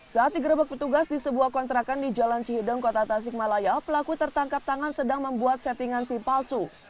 saat digerebek petugas di sebuah kontrakan di jalan cihideng kota tasik malaya pelaku tertangkap tangan sedang membuat settingan simpalsu